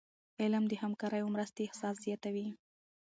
علم د همکاری او مرستي احساس زیاتوي.